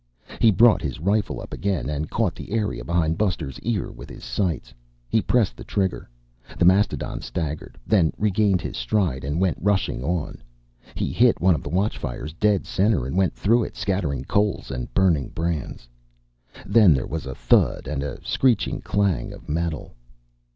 He brought his rifle up again and caught the area behind Buster's ear within his sights. He pressed the trigger. The mastodon staggered, then regained his stride and went rushing on. He hit one of the watchfires dead center and went through it, scattering coals and burning brands. Then there was a thud and the screeching clang of metal.